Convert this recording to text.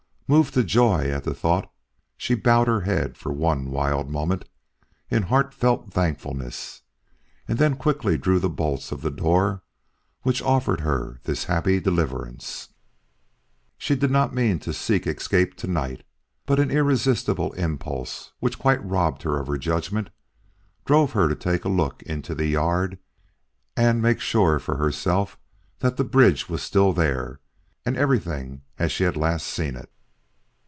Moved to joy at the thought, she bowed her head for one wild moment in heartfelt thankfulness and then quickly drew the bolts of the door which offered her this happy deliverance. She did not mean to seek escape to night, but an irresistible impulse, which quite robbed her of her judgment, drove her to take a look into the yard and make sure for herself that the bridge was still there and everything as she had last seen it.